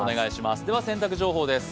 では洗濯情報です。